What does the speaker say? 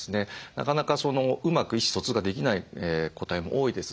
なかなかうまく意思疎通ができない個体も多いですし。